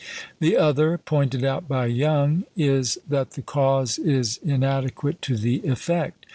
The other, pointed out by Young, is that the cause is inadequate to the effect.